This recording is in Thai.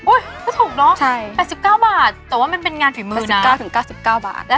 โอ้ยไม่ถูกเนอะ๘๙บาทแต่ว่ามันเป็นงานฝีมือน่ะ